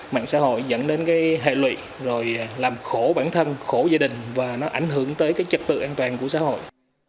mạng xã hội dẫn đến hệ lụy làm khổ bản thân khổ gia đình và nó ảnh hưởng tới trật tự an toàn của xã hội